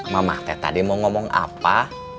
mama tete tadi mau ngomong apa